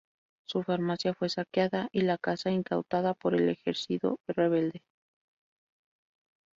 Su farmacia fue saqueada y la casa incautada por el ejercido rebelde.